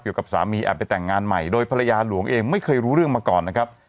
กับสามีแอบไปแต่งงานใหม่โดยภรรยาหลวงเองไม่เคยรู้เรื่องมาก่อนนะครับ